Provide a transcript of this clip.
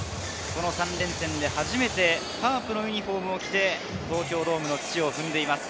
３連戦で始めてカープのユニホームを着て東京ドームの土を踏んでいます。